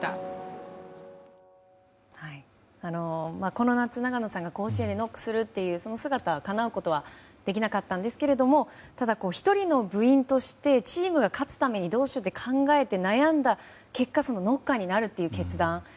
この夏、永野さんが甲子園でノックするっていうその姿かなうことはできなかったんですけどもただ１人の部員としてチームが勝つためにどうしようって考えて悩んだ結果ノッカーになるっていう決断。